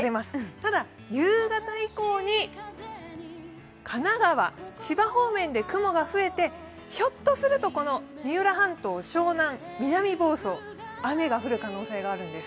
ただ、夕方以降に神奈川、千葉方面で雲が増えてひょっとすると三浦半島、湘南、南房総、雨が降る可能性があるんです。